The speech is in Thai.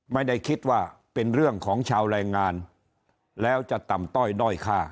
ไม่ได้คิดว่าเป็นเรื่องของชาวแรงงานแล้วจะต่ำต้อยด้อยค่า